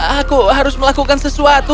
aku harus melakukan sesuatu